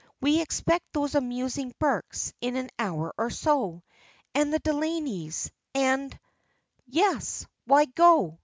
We expect those amusing Burkes in an hour or so, and the Delaneys, and " "Yes, why go?"